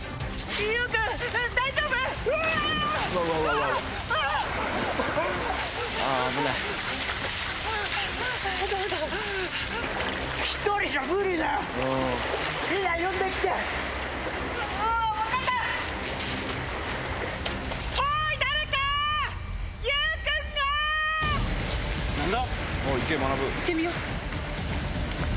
行ってみよう。